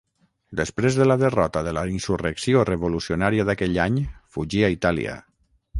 Després de la derrota de la insurrecció revolucionària d'aquell any fugí a Itàlia.